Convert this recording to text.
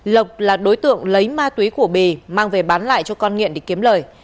lộc là đối tượng lấy ma túy của bì mang về bán lại cho con nghiện để kiếm lời